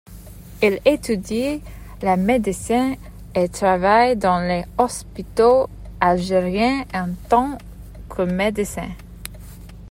Il étudie la médecine et travaille dans les hôpitaux algériens en tant que médecin.